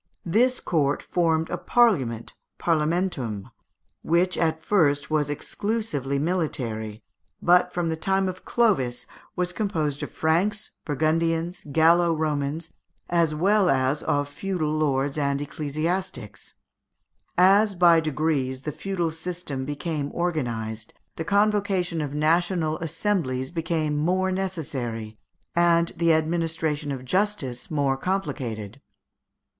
This court formed a parliament (parlamentum), which at first was exclusively military, but from the time of Clovis was composed of Franks, Burgundians, Gallo Romans, as well as of feudal lords and ecclesiastics. As, by degrees, the feudal System became organized, the convocation of national assemblies became more necessary, and the administration of justice more complicated.